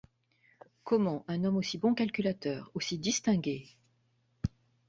Comment un homme aussi bon calculateur, aussi distingué...